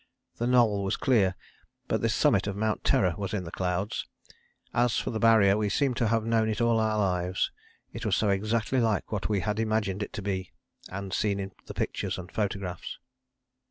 The Knoll was clear, but the summit of Mount Terror was in the clouds. As for the Barrier we seemed to have known it all our lives, it was so exactly like what we had imagined it to be, and seen in the pictures and photographs.